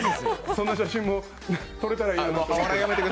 そんな写真も、撮れたらいいなと。